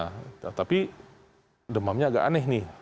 nah tapi demamnya agak aneh nih